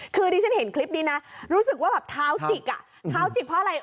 คือดิฉันเห็นคลิปนี้นะรู้สึกว่าแบบเท้าจิกอ่ะเท้าจิกเพราะอะไร